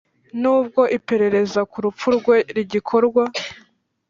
Nubwo iperereza ku rupfu rwe rigikorwa,